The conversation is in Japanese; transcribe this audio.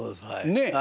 ねえ。